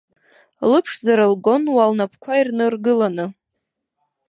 Лыԥшӡара лгон уа лнапқәа ирныргыланы.